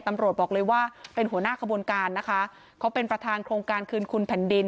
ตำรวจบอกเลยว่าเป็นหัวหน้าขบวนการนะคะเขาเป็นประธานโครงการคืนคุณแผ่นดิน